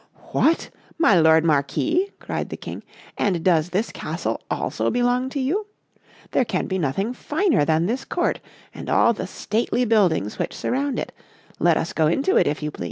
"What! my lord Marquis?" cried the King, "and does this castle also belong to you? There can be nothing finer than this court, and all the stately buildings which surround it; let us go into it, if you please."